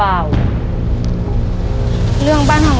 เร็วเร็วเร็ว